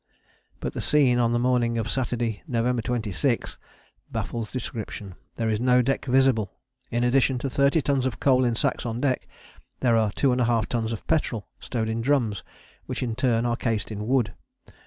But the scene on the morning of Saturday, November 26, baffles description. There is no deck visible: in addition to 30 tons of coal in sacks on deck there are 2½ tons of petrol, stowed in drums which in turn are cased in wood.